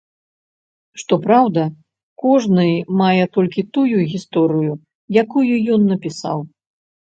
Што праўда, кожны мае толькі тую гісторыю, якую ён напісаў.